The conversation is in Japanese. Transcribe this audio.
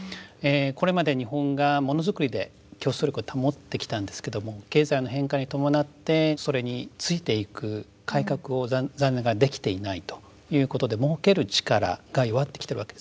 これまで日本がモノづくりで競争力を保ってきたんですけども経済の変換に伴ってそれについていく改革を残念ながらできていないということでもうける力が弱ってきてるわけですね。